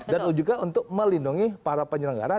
dan juga untuk melindungi para penyelenggara